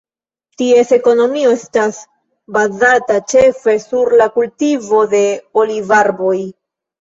Ties ekonomio estas bazata ĉefe sur la kultivo de olivarboj.